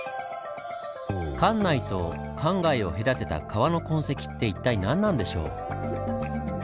関内と関外を隔てた川の痕跡って一体何なんでしょう？